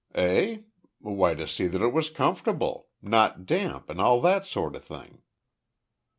"Eh? Why to see that it was comfortable not damp and all that sort of thing."